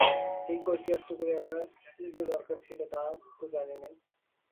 এই কৈফিয়ৎটুকু দেবার কী যে দরকার ছিল তা তো জানি নে।